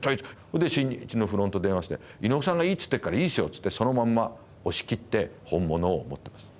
で新日のフロントに電話して「猪木さんがいいって言ってるからいいっすよ」ってそのまんま押し切って本物を持ってます。